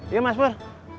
iya mas pur